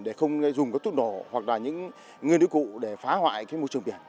để không dùng các tút nổ hoặc là những ngươi nữ cụ để phá hoại môi trường biển